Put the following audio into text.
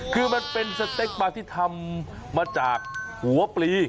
คือมันเป็นสเต็กปลาที่ทำมาจากหัวปลี